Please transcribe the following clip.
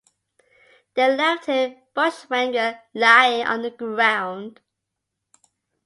They left him bushranger lying on the ground.